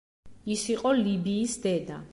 ის იყო ლიბიის დედა.